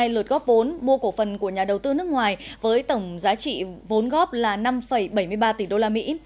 năm một trăm bảy mươi hai lượt góp vốn mua cổ phần của nhà đầu tư nước ngoài với tổng giá trị vốn góp là năm bảy mươi ba tỷ đô la mỹ